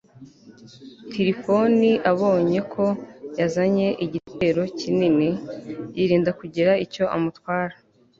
tirifoni abonye ko yazanye igitero kinini, yirinda kugira icyo amutwara